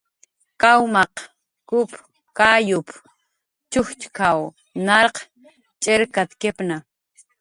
"Kawmaq kup kayup"" ch'ujchk""aw narq chirkatkipna"